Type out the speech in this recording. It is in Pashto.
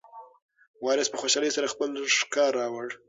وارث په خوشحالۍ سره خپله ښکار راوړ.